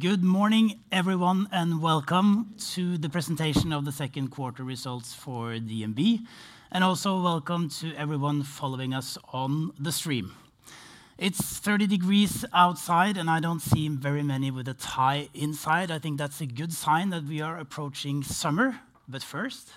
Good morning, everyone, and welcome to the presentation of the second quarter results for DNB, and also welcome to everyone following us on the stream. It's 30 degrees outside, and I don't see very many with a tie inside. I think that's a good sign that we are approaching summer. But first.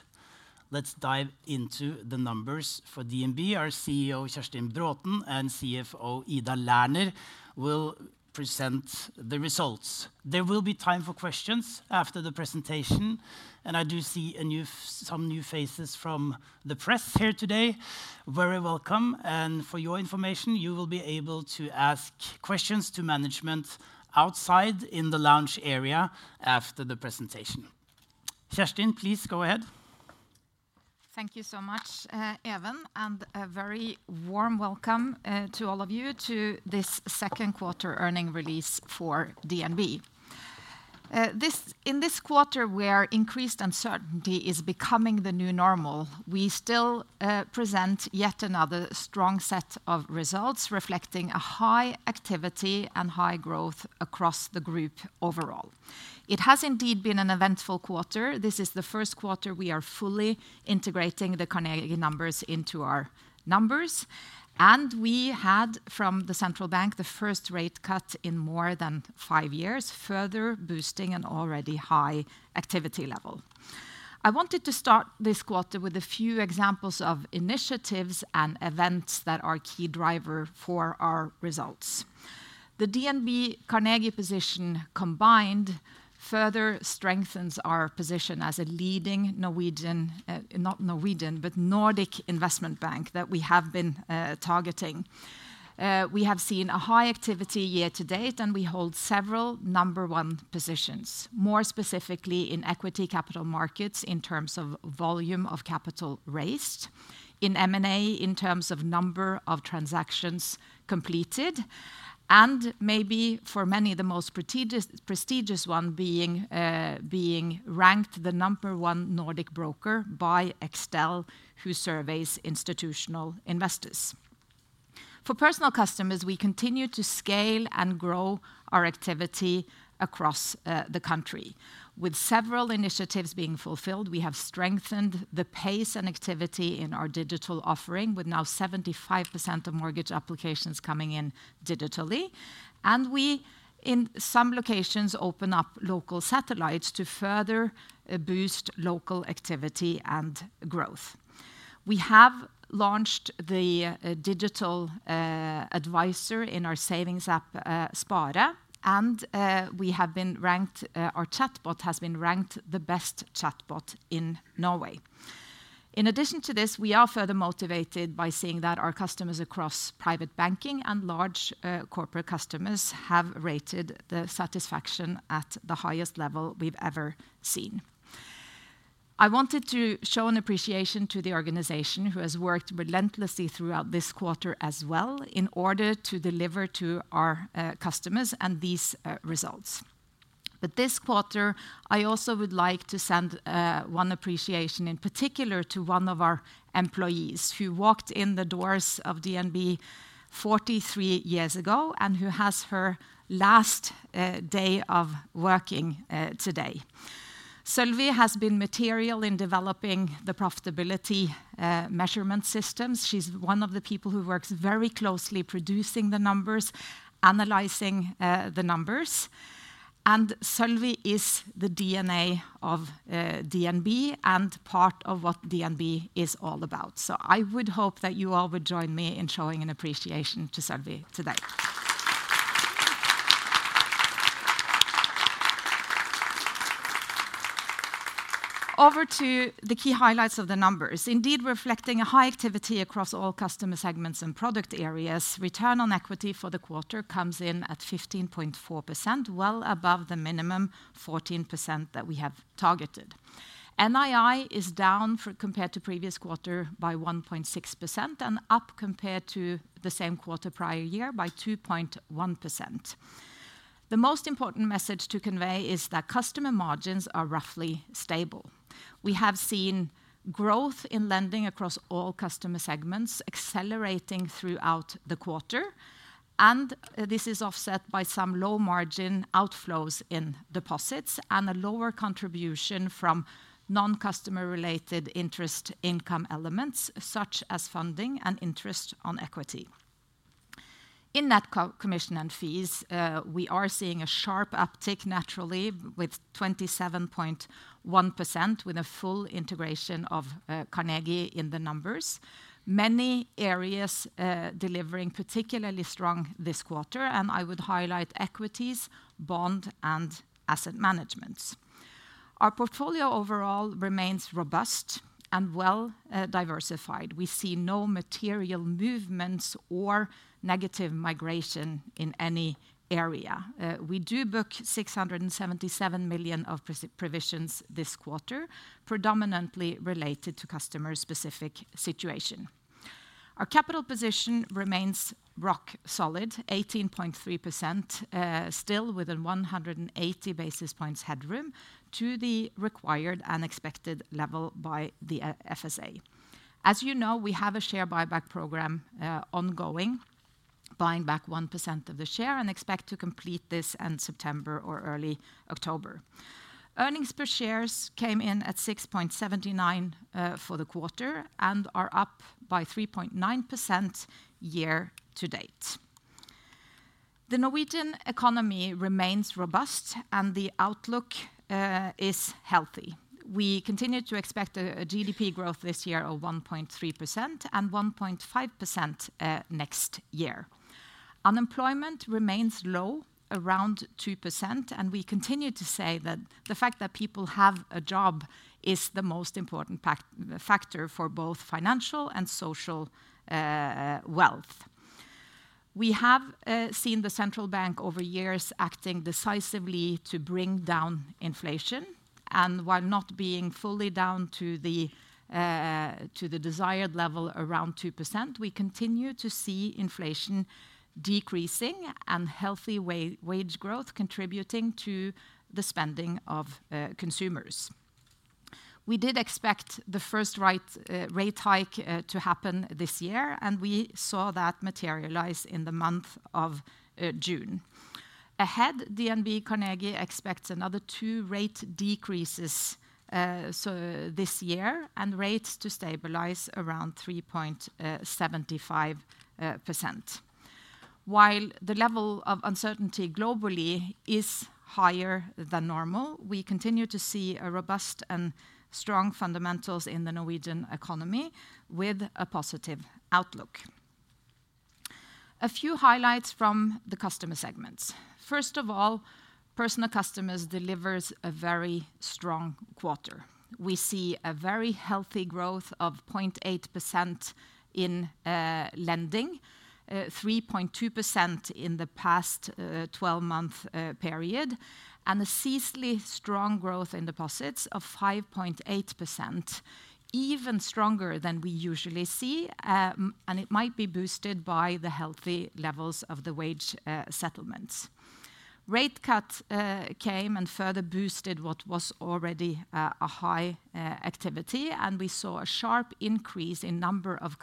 Let's dive into the numbers for DNB. Our CEO, Kjerstin Braathen, and CFO, Ida Lerner, will present the results. There will be time for questions after the presentation, and I do see some new faces from the press here today. Very welcome. For your information, you will be able to ask questions to management outside in the lounge area after the presentation. Kjerstin, please go ahead. Thank you so much, Even, and a very warm welcome to all of you to this second quarter earning release for DNB. In this quarter, where increased uncertainty is becoming the new normal, we still present yet another strong set of results reflecting a high activity and high growth across the group overall. It has indeed been an eventful quarter. This is the first quarter we are fully integrating the Carnegie numbers into our numbers, and we had, from the central bank, the first rate cut in more than five years, further boosting an already high activity level. I wanted to start this quarter with a few examples of initiatives and events that are key drivers for our results. The DNB Carnegie position combined further strengthens our position as a leading Norwegian—not Norwegian, but Nordic investment bank—that we have been targeting. We have seen a high activity year to date, and we hold several number one positions, more specifically in equity capital markets in terms of volume of capital raised, in M&A, in terms of number of transactions completed, and maybe for many the most prestigious one being ranked the number one Nordic broker by Extel, who surveys institutional investors. For personal customers, we continue to scale and grow our activity across the country. With several initiatives being fulfilled, we have strengthened the pace and activity in our digital offering, with now 75% of mortgage applications coming in digitally, and we, in some locations, open up local satellites to further boost local activity and growth. We have launched the digital advisor in our savings app, Spare, and we have been ranked—our chatbot has been ranked the best chatbot in Norway. In addition to this, we are further motivated by seeing that our customers across private banking and large corporate customers have rated the satisfaction at the highest level we've ever seen. I wanted to show an appreciation to the organization who has worked relentlessly throughout this quarter as well in order to deliver to our customers these results. This quarter, I also would like to send one appreciation in particular to one of our employees who walked in the doors of DNB 43 years ago and who has her last day of working today. Sølvi has been material in developing the profitability measurement systems. She's one of the people who works very closely producing the numbers, analyzing the numbers. Sølvi is the DNA of DNB and part of what DNB is all about. I would hope that you all would join me in showing an appreciation to Sølvi today. Over to the key highlights of the numbers. Indeed, reflecting a high activity across all customer segments and product areas, return on equity for the quarter comes in at 15.4%, well above the minimum 14% that we have targeted. NII is down compared to the previous quarter by 1.6% and up compared to the same quarter prior year by 2.1%. The most important message to convey is that customer margins are roughly stable. We have seen growth in lending across all customer segments accelerating throughout the quarter, and this is offset by some low margin outflows in deposits and a lower contribution from non-customer related interest income elements such as funding and interest on equity. In net commission and fees, we are seeing a sharp uptick naturally with 27.1% with a full integration of Carnegie in the numbers. Many areas delivering particularly strong this quarter, and I would highlight equities, bond, and asset management. Our portfolio overall remains robust and well diversified. We see no material movements or negative migration in any area. We do book 677 million of provisions this quarter, predominantly related to customer-specific situation. Our capital position remains rock solid, 18.3%. Still within 180 basis points headroom to the required and expected level by the FSA. As you know, we have a share buyback program ongoing, buying back 1% of the share and expect to complete this in September or early October. Earnings per share came in at 6.79 for the quarter and are up by 3.9% year to date. The Norwegian economy remains robust, and the outlook is healthy. We continue to expect a GDP growth this year of 1.3% and 1.5% next year. Unemployment remains low, around 2%, and we continue to say that the fact that people have a job is the most important factor for both financial and social wealth. We have seen the central bank over years acting decisively to bring down inflation, and while not being fully down to the desired level around 2%, we continue to see inflation decreasing and healthy wage growth contributing to the spending of consumers. We did expect the first rate hike to happen this year, and we saw that materialize in the month of June. Ahead, DNB Carnegie expects another two rate decreases this year and rates to stabilize around 3.75%. While the level of uncertainty globally is higher than normal, we continue to see robust and strong fundamentals in the Norwegian economy with a positive outlook. A few highlights from the customer segments. First of all, personal customers deliver a very strong quarter. We see a very healthy growth of 0.8% in lending, 3.2% in the past 12-month period, and a ceaselessly strong growth in deposits of 5.8%. Even stronger than we usually see, and it might be boosted by the healthy levels of the wage settlements. Rate cuts came and further boosted what was already a high activity, and we saw a sharp increase in the number of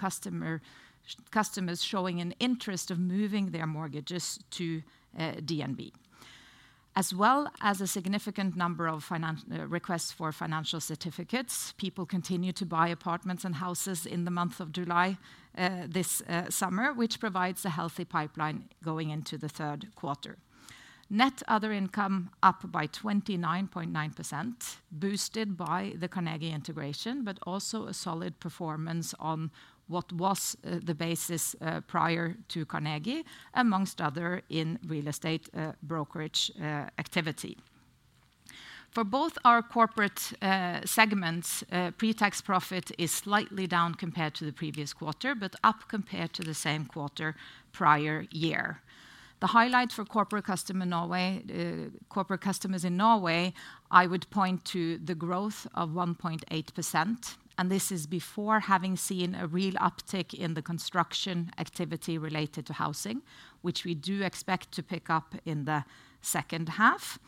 customers showing an interest in moving their mortgages to DNB, as well as a significant number of requests for financial certificates. People continue to buy apartments and houses in the month of July this summer, which provides a healthy pipeline going into the third quarter. Net other income is up by 29.9%, boosted by the Carnegie integration, but also a solid performance on what was the basis prior to Carnegie, amongst other real estate brokerage activity. For both our corporate segments, pre-tax profit is slightly down compared to the previous quarter, but up compared to the same quarter prior year. The highlight for corporate customers in Norway, I would point to the growth of 1.8%, and this is before having seen a real uptick in the construction activity related to housing, which we do expect to pick up in the second half.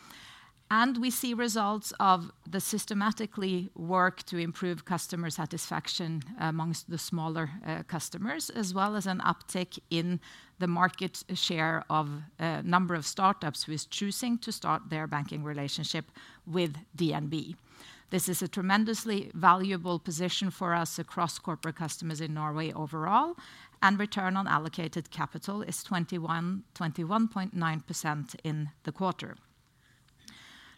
We see results of the systematic work to improve customer satisfaction amongst the smaller customers, as well as an uptick in the market share of a number of startups who are choosing to start their banking relationship with DNB. This is a tremendously valuable position for us across corporate customers in Norway overall, and return on allocated capital is 21.9% in the quarter.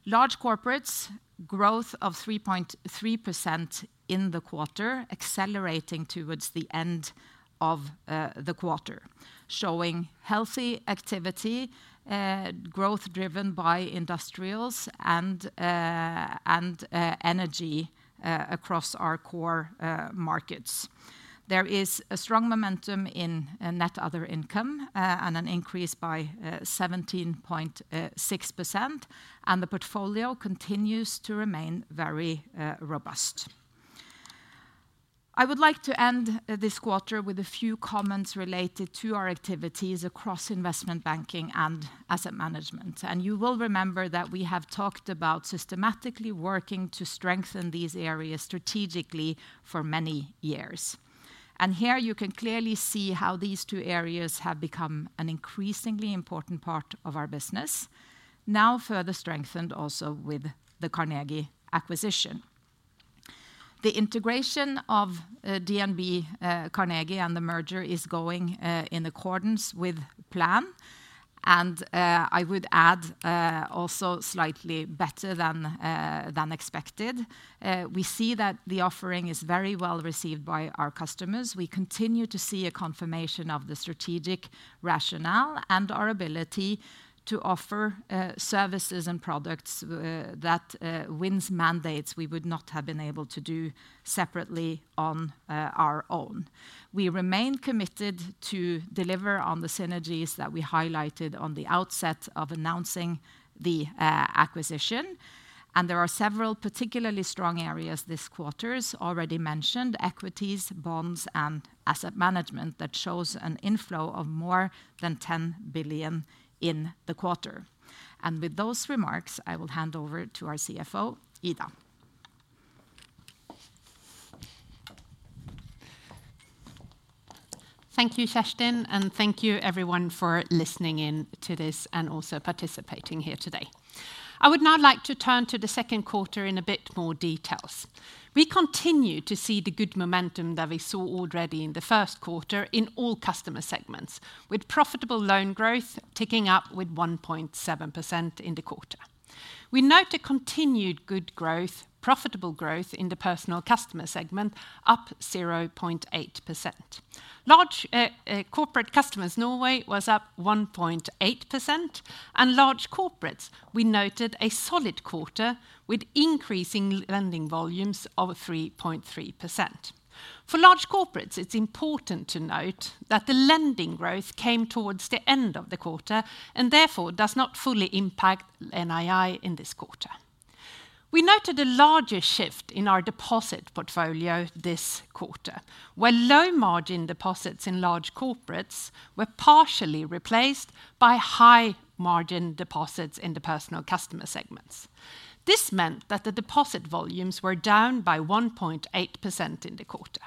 Large corporates' growth is 3.3% in the quarter, accelerating towards the end of the quarter, showing healthy activity. Growth driven by industrials and energy across our core markets. There is a strong momentum in net other income and an increase by 17.6%, and the portfolio continues to remain very robust. I would like to end this quarter with a few comments related to our activities across investment banking and asset management. You will remember that we have talked about systematically working to strengthen these areas strategically for many years. Here you can clearly see how these two areas have become an increasingly important part of our business, now further strengthened also with the Carnegie acquisition. The integration of DNB Carnegie and the merger is going in accordance with plan. I would add also slightly better than expected. We see that the offering is very well received by our customers. We continue to see a confirmation of the strategic rationale and our ability to offer services and products that wins mandates we would not have been able to do separately on our own. We remain committed to deliver on the synergies that we highlighted at the outset of announcing the acquisition. There are several particularly strong areas this quarter as already mentioned: equities, bonds, and asset management that shows an inflow of more than 10 billion in the quarter. With those remarks, I will hand over to our CFO, Ida. Thank you, Kjerstin, and thank you everyone for listening in to this and also participating here today. I would now like to turn to the second quarter in a bit more detail. We continue to see the good momentum that we saw already in the first quarter in all customer segments, with profitable loan growth ticking up with 1.7% in the quarter. We note a continued good growth, profitable growth in the personal customer segment, up 0.8%. Large corporate customers in Norway were up 1.8%, and large corporates we noted a solid quarter with increasing lending volumes of 3.3%. For large corporates, it's important to note that the lending growth came towards the end of the quarter and therefore does not fully impact NII in this quarter. We noted a larger shift in our deposit portfolio this quarter, where low margin deposits in large corporates were partially replaced by high margin deposits in the personal customer segments. This meant that the deposit volumes were down by 1.8% in the quarter.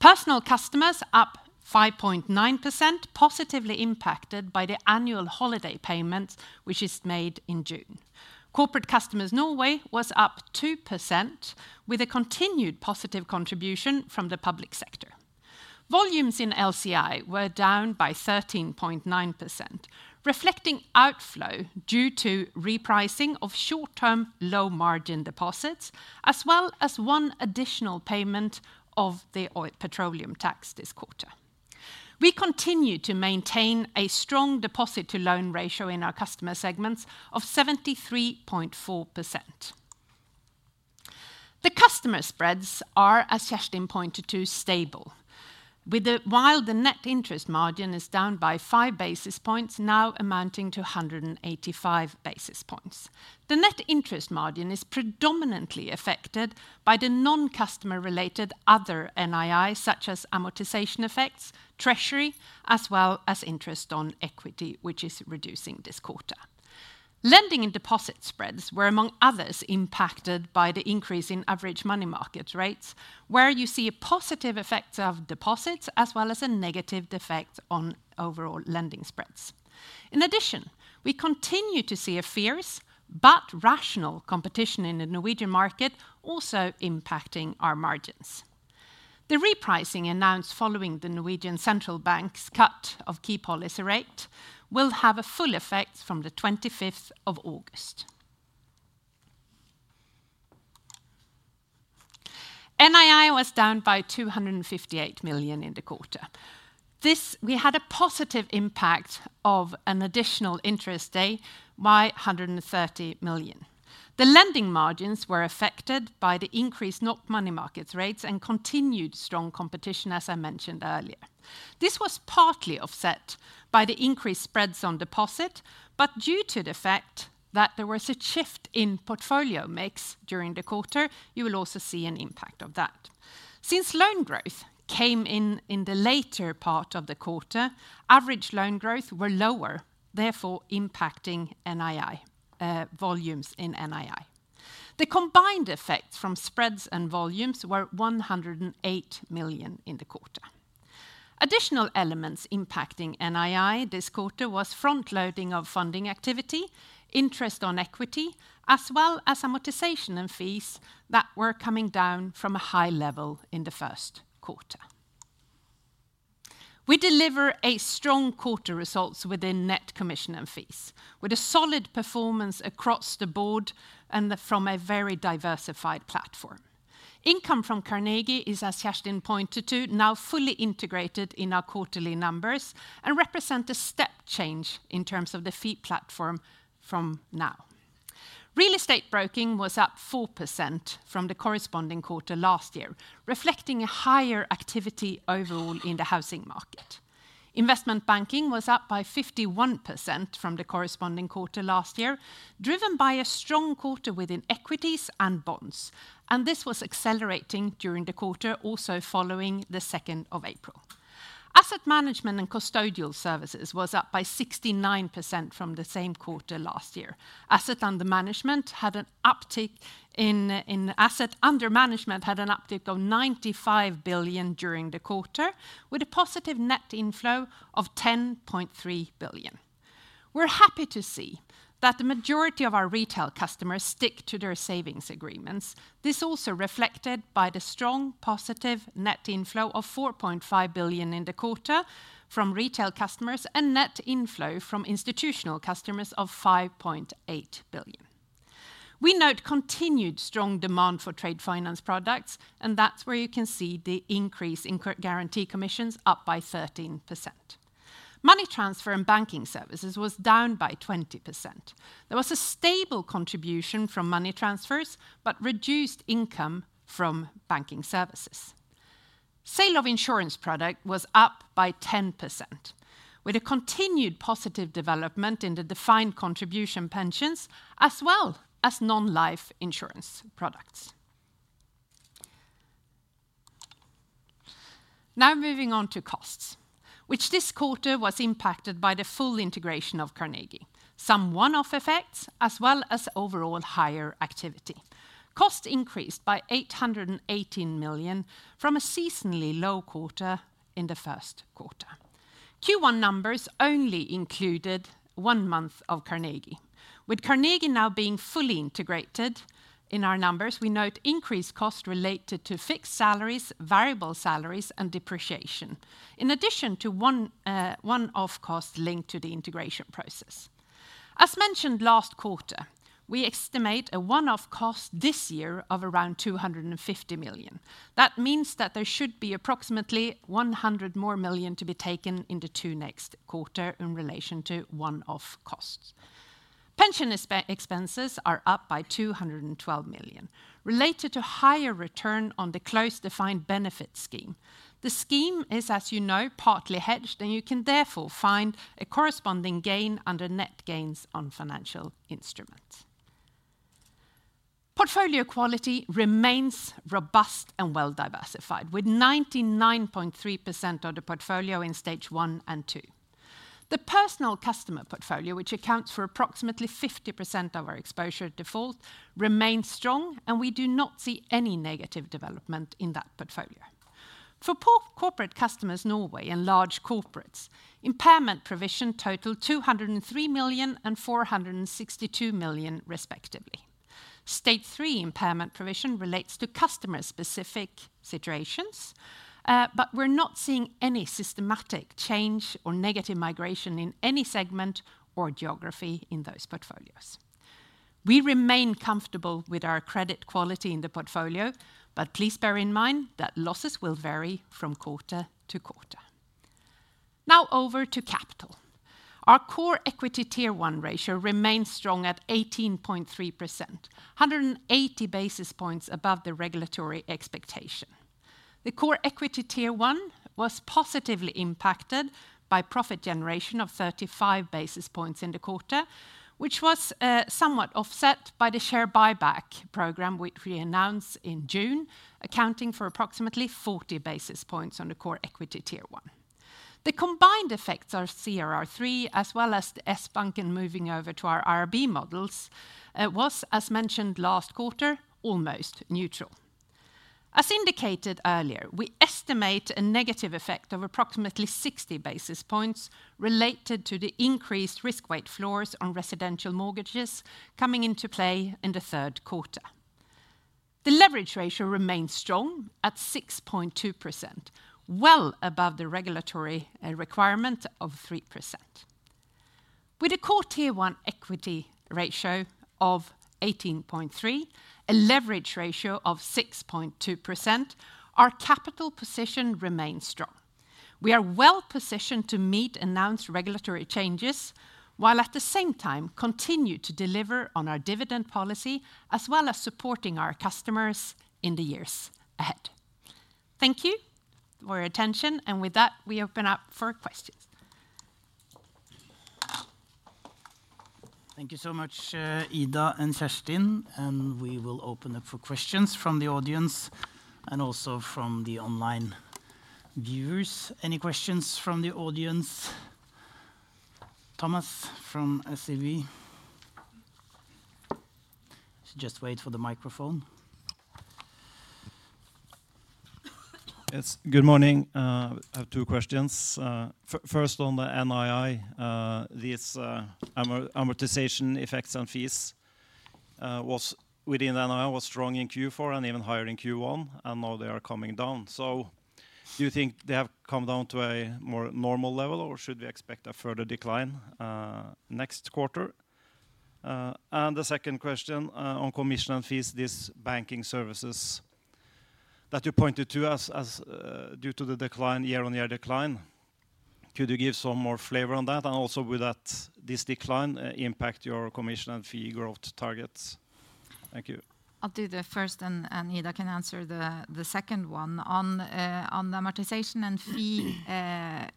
Personal customers were up 5.9%, positively impacted by the annual holiday payments, which were made in June. Corporate customers in Norway were up 2%, with a continued positive contribution from the public sector. Volumes in LCI were down by 13.9%, reflecting outflow due to repricing of short-term low margin deposits, as well as one additional payment of the petroleum tax this quarter. We continue to maintain a strong deposit-to-loan ratio in our customer segments of 73.4%. The customer spreads are, as Kjerstin pointed to, stable, while the net interest margin is down by five basis points, now amounting to 185 basis points. The net interest margin is predominantly affected by the non-customer related other NII, such as amortization effects, treasury, as well as interest on equity, which is reducing this quarter. Lending and deposit spreads were, among others, impacted by the increase in average money market rates, where you see a positive effect of deposits as well as a negative effect on overall lending spreads. In addition, we continue to see a fierce but rational competition in the Norwegian market, also impacting our margins. The repricing announced following the Norwegian central bank's cut of key policy rate will have a full effect from the 25th of August. NII was down by 258 million in the quarter. We had a positive impact of an additional interest day by 130 million. The lending margins were affected by the increased money market rates and continued strong competition, as I mentioned earlier. This was partly offset by the increased spreads on deposit, but due to the fact that there was a shift in portfolio mix during the quarter, you will also see an impact of that. Since loan growth came in in the later part of the quarter, average loan growth was lower, therefore impacting NII. Volumes in NII. The combined effect from spreads and volumes was 108 million in the quarter. Additional elements impacting NII this quarter were front-loading of funding activity, interest on equity, as well as amortization and fees that were coming down from a high level in the first quarter. We deliver strong quarter results within net commission and fees, with a solid performance across the board and from a very diversified platform. Income from Carnegie is, as Kjerstin pointed to, now fully integrated in our quarterly numbers and represents a step change in terms of the fee platform from now. Real estate brokerage was up 4% from the corresponding quarter last year, reflecting a higher activity overall in the housing market. Investment banking was up by 51% from the corresponding quarter last year, driven by a strong quarter within equities and bonds, and this was accelerating during the quarter, also following the 2nd of April. Asset management and custodial services were up by 69% from the same quarter last year. Assets under management had an uptick of 95 billion during the quarter, with a positive net inflow of 10.3 billion. We're happy to see that the majority of our retail customers stick to their savings agreements. This is also reflected by the strong positive net inflow of 4.5 billion in the quarter from retail customers and net inflow from institutional customers of 5.8 billion. We note continued strong demand for trade finance products, and that's where you can see the increase in guarantee commissions up by 13%. Money transfer and banking services were down by 20%. There was a stable contribution from money transfers but reduced income from banking services. Sale of insurance products was up by 10%, with a continued positive development in the defined contribution pensions as well as non-life insurance products. Now moving on to costs, which this quarter was impacted by the full integration of Carnegie. Some one-off effects, as well as overall higher activity. Costs increased by 818 million from a seasonally low quarter in the first quarter. Q1 numbers only included one month of Carnegie. With Carnegie now being fully integrated in our numbers, we note increased costs related to fixed salaries, variable salaries, and depreciation, in addition to one-off costs linked to the integration process. As mentioned last quarter, we estimate a one-off cost this year of around 250 million. That means that there should be approximately 100 million more to be taken in the two next quarters in relation to one-off costs. Pension expenses are up by 212 million, related to a higher return on the closed defined benefit scheme. The scheme is, as you know, partly hedged, and you can therefore find a corresponding gain under net gains on financial instruments. Portfolio quality remains robust and well diversified, with 99.3% of the portfolio in stage one and two. The personal customer portfolio, which accounts for approximately 50% of our exposure to default, remains strong, and we do not see any negative development in that portfolio. For corporate customers in Norway and large corporates, impairment provision totaled 203 million and 462 million, respectively. Stage three impairment provision relates to customer-specific situations, but we're not seeing any systematic change or negative migration in any segment or geography in those portfolios. We remain comfortable with our credit quality in the portfolio, but please bear in mind that losses will vary from quarter to quarter. Now over to capital. Our core equity tier one ratio remains strong at 18.3%, 180 basis points above the regulatory expectation. The core equity tier one was positively impacted by profit generation of 35 basis points in the quarter, which was somewhat offset by the share buyback program, which we announced in June, accounting for approximately 40 basis points on the core equity tier one. The combined effects of CRR3, as well as the S-Banken and moving over to our IRB models, was, as mentioned last quarter, almost neutral. As indicated earlier, we estimate a negative effect of approximately 60 basis points related to the increased risk-weight floors on residential mortgages coming into play in the third quarter. The leverage ratio remains strong at 6.2%, well above the regulatory requirement of 3%. With a core tier one equity ratio of 18.3, a leverage ratio of 6.2%, our capital position remains strong. We are well positioned to meet announced regulatory changes while at the same time continue to deliver on our dividend policy, as well as supporting our customers in the years ahead. Thank you for your attention, and with that, we open up for questions. Thank you so much, Ida and Kjerstin, and we will open up for questions from the audience and also from the online viewers. Any questions from the audience? Thomas from SEB? Just wait for the microphone. Yes, good morning. I have two questions. First, on the NII. These amortization effects on fees within the NII were strong in Q4 and even higher in Q1, and now they are coming down. Do you think they have come down to a more normal level, or should we expect a further decline next quarter? And the second question on commission and fees, these banking services. That you pointed to as due to the decline, year-on-year decline. Could you give some more flavor on that? Also, would this decline impact your commission and fee growth targets? Thank you. I'll do the first, and Ida can answer the second one. On the amortization and fee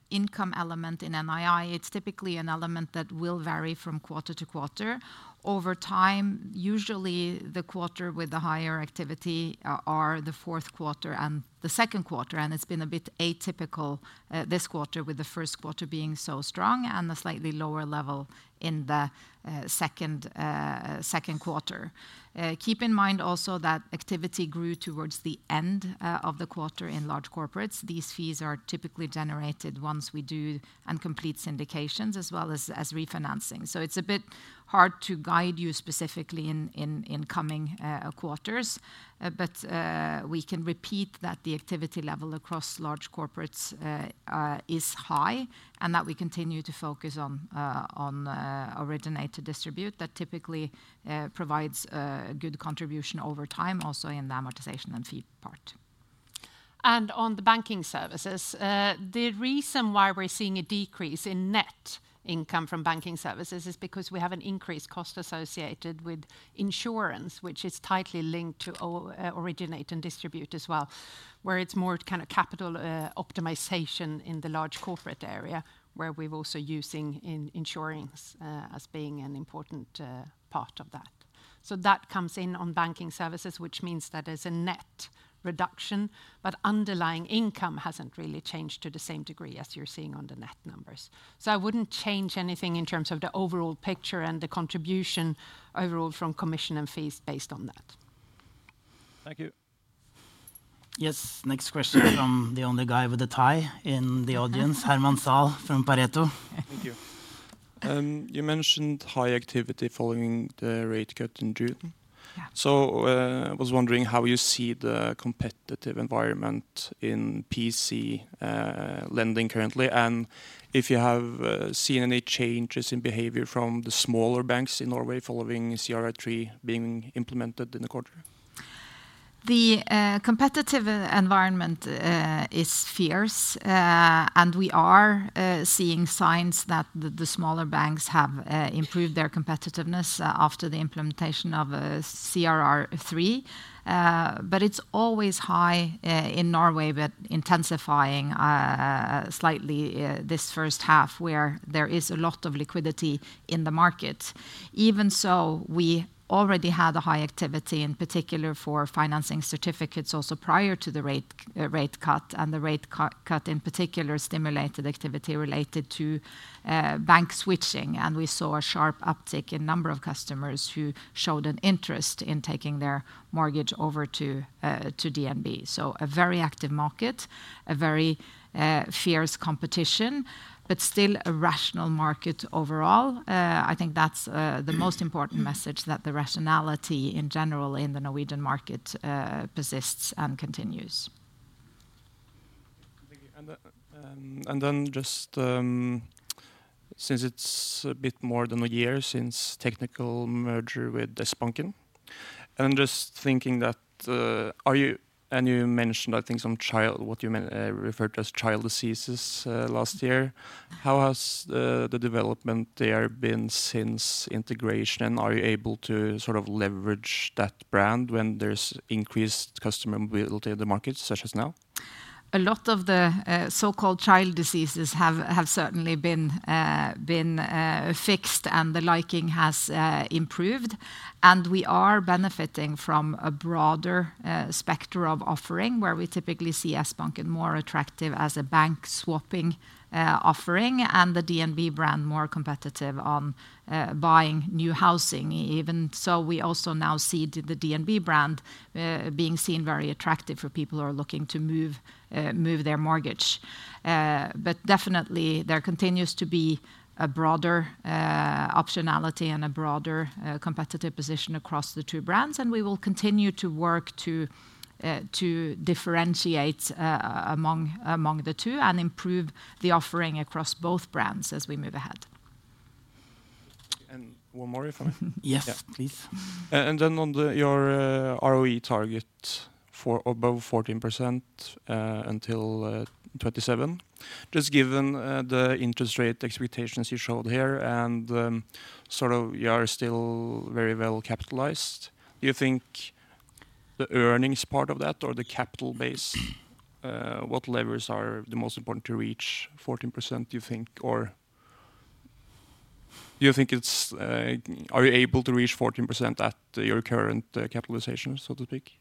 income element in NII, it's typically an element that will vary from quarter to quarter. Over time, usually the quarters with the higher activity are the fourth quarter and the second quarter, and it's been a bit atypical this quarter, with the first quarter being so strong and a slightly lower level in the second quarter. Keep in mind also that activity grew towards the end of the quarter in large corporates. These fees are typically generated once we do and complete syndications, as well as refinancing. It is a bit hard to guide you specifically in coming quarters, but we can repeat that the activity level across large corporates is high and that we continue to focus on originate and distribute. That typically provides a good contribution over time, also in the amortization and fee part. On the banking services, the reason why we are seeing a decrease in net income from banking services is because we have an increased cost associated with insurance, which is tightly linked to originate and distribute as well, where it is more kind of capital optimization in the large corporate area, where we are also using insurance as being an important part of that. That comes in on banking services, which means that there is a net reduction, but underlying income has not really changed to the same degree as you are seeing on the net numbers. I would not change anything in terms of the overall picture and the contribution overall from commission and fees based on that. Thank you. Yes, next question from the only guy with a tie in the audience, Herman Zahl from Pareto. Thank you. You mentioned high activity following the rate cut in June. I was wondering how you see the competitive environment in PC lending currently, and if you have seen any changes in behavior from the smaller banks in Norway following CRR3 being implemented in the quarter. The competitive environment is fierce, and we are seeing signs that the smaller banks have improved their competitiveness after the implementation of CRR3. It is always high in Norway, but intensifying slightly this first half, where there is a lot of liquidity in the market. Even so, we already had a high activity, in particular for financing certificates, also prior to the rate cut, and the rate cut in particular stimulated activity related to bank switching, and we saw a sharp uptick in the number of customers who showed an interest in taking their mortgage over to DNB. A very active market, a very fierce competition, but still a rational market overall. I think that's the most important message, that the rationality in general in the Norwegian market persists and continues. Thank you. Since it's a bit more than a year since technical merger with S-Banken, and just thinking that you mentioned, I think, some child, what you referred to as child diseases last year. How has the development there been since integration, and are you able to sort of leverage that brand when there is increased customer mobility in the market, such as now? A lot of the so-called child diseases have certainly been fixed, and the liking has improved, and we are benefiting from a broader spectrum of offering, where we typically see S-Banken more attractive as a bank swapping offering, and the DNB brand more competitive on buying new housing. Even so, we also now see the DNB brand being seen very attractive for people who are looking to move their mortgage. Definitely, there continues to be a broader optionality and a broader competitive position across the two brands, and we will continue to work to differentiate among the two and improve the offering across both brands as we move ahead. One more if I may? Yes, please. On your ROE target for above 14% until 2027, just given the interest rate expectations you showed here and you are still very well capitalized, do you think the earnings part of that or the capital base, what levers are the most important to reach 14%, do you think, or do you think it's are you able to reach 14% at your current capitalization, so to speak?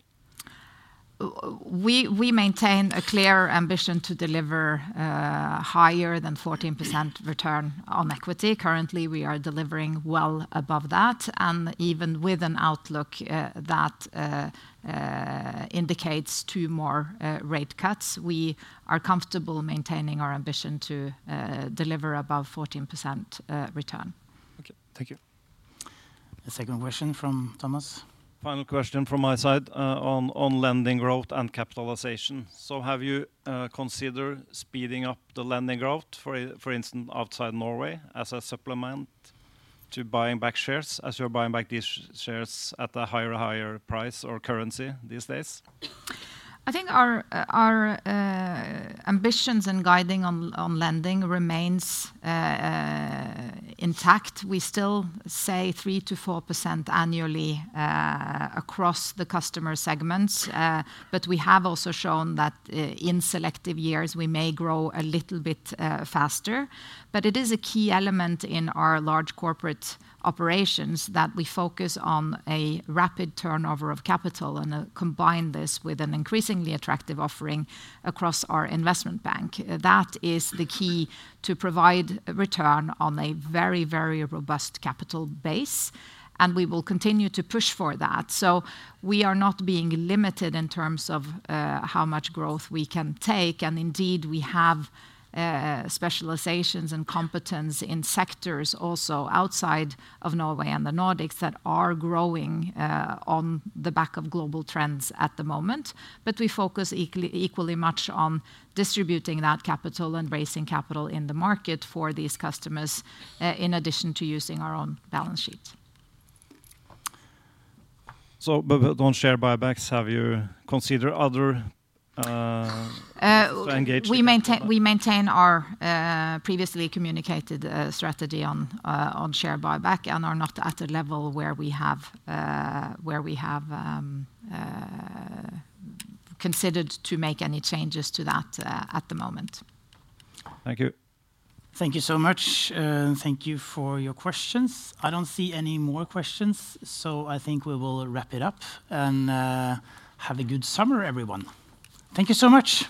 We maintain a clear ambition to deliver higher than 14% return on equity. Currently, we are delivering well above that, and even with an outlook that indicates two more rate cuts, we are comfortable maintaining our ambition to deliver above 14% return. Okay, thank you. A second question from Thomas. Final question from my side on lending growth and capitalization. Have you considered speeding up the lending growth, for instance, outside Norway, as a supplement. To buying back shares, as you're buying back these shares at a higher and higher price or currency these days? I think our ambitions and guiding on lending remains intact. We still say 3-4% annually across the customer segments, but we have also shown that in selective years, we may grow a little bit faster. It is a key element in our large corporate operations that we focus on a rapid turnover of capital, and combine this with an increasingly attractive offering across our investment bank. That is the key to provide return on a very, very robust capital base, and we will continue to push for that. We are not being limited in terms of how much growth we can take, and indeed, we have. Specializations and competence in sectors also outside of Norway and the Nordics that are growing on the back of global trends at the moment. We focus equally much on distributing that capital and raising capital in the market for these customers, in addition to using our own balance sheet. On share buybacks, have you considered other engagement? We maintain our previously communicated strategy on share buyback and are not at a level where we have considered to make any changes to that at the moment. Thank you. Thank you so much, and thank you for your questions. I do not see any more questions, so I think we will wrap it up and have a good summer, everyone. Thank you so much.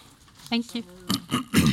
Thank you.